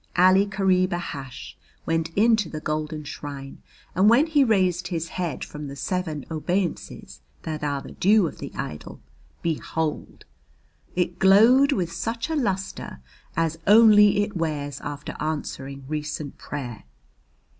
Ali Kareeb Ahash went into the golden shrine, and when he raised his head from the seven obeisances that are the due of the idol, behold! it glowed with such a lustre as only it wears after answering recent prayer.